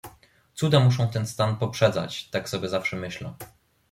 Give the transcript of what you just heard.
"Cuda muszą ten stan poprzedzać, tak sobie zawsze myślę."